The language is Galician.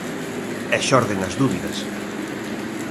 E xorden as dúbidas.